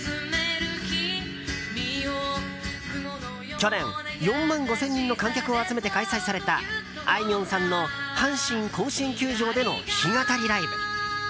去年、４万５０００人の観客を集めて開催されたあいみょんさんの阪神甲子園球場での弾き語りライブ。